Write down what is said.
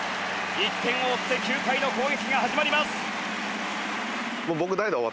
１点を追って９回の攻撃が始まります。